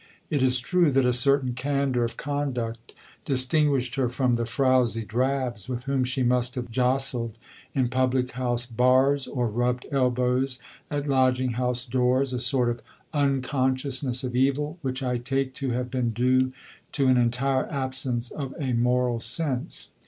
It is true that a certain candour of conduct distinguished her from the frowsy drabs with whom she must have jostled in public house bars or rubbed elbows at lodging house doors, a sort of unconsciousness of evil, which I take to have been due to an entire absence of a moral sense.